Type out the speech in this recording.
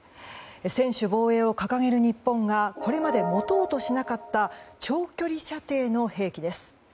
専守防衛を掲げる日本がこれまで持とうとしなかった長距離射程の兵器です。